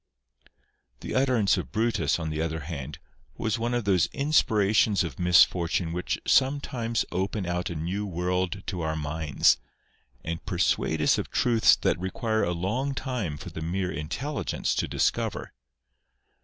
The utterance of Brutus, on the other hand, was one of those inspirations of misfortune which sometimes open out a new world to our minds, and persuade us of truths that require a long time for the mere intelligence to dis cover.